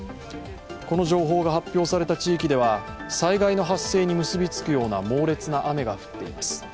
この情報が発表された地域では、災害の発生に結びつくような猛烈な雨が降っています。